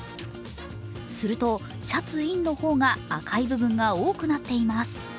すると、シャツインの方が赤い部分が多くなっています。